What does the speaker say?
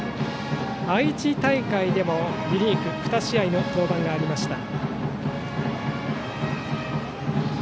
愛知大会でもリリーフで２試合の登板がありました。